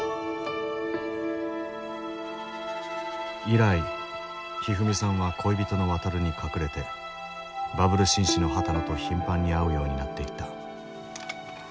以来ひふみさんは恋人のワタルに隠れてバブル紳士の波多野と頻繁に会うようになっていった